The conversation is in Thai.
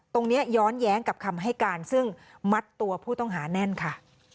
ย้อนแย้งกับคำให้การซึ่งมัดตัวผู้ต้องหาแน่นค่ะ